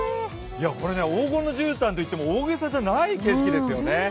これね、黄金のじゅうたんといっても大げさじゃない景色ですよね。